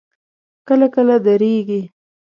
کله کله درېږي.